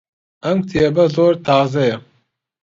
ئەم کتێبە زۆر تازەیە.